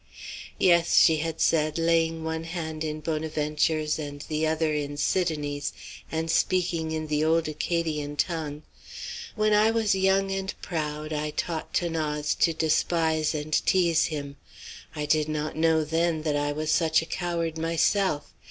"Yes," she had said, laying one hand in Bonaventure's and the other in Sidonie's and speaking in the old Acadian tongue, "when I was young and proud I taught 'Thanase to despise and tease him. I did not know then that I was such a coward myself.